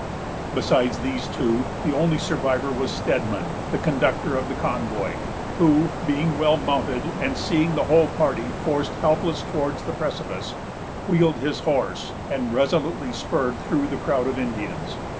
Besides these two, the only survivor was Stedman, the conductor of the convoy; who, being well mounted, and seeing the whole party forced helpless towards the precipice, wheeled his horse, and resolutely spurred through the crowd of Indians.